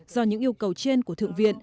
do những yêu cầu trên của thượng viện